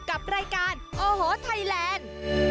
กับรายการโอ้โหไทยแลนด์